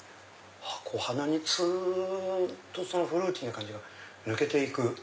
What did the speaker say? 鼻にツンとフルーティーな感じが抜けていく。